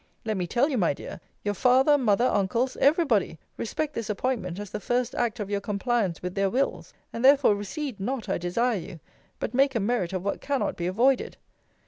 Let me tell you, my dear, your father, mother, uncles, every body, respect this appointment as the first act of your compliance with their wills: and therefore recede not, I desire you; but make a merit of what cannot be avoided.